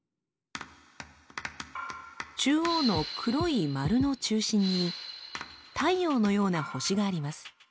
中央の黒い丸の中心に太陽のような星があります。